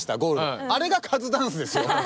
あれがカズダンスですよ。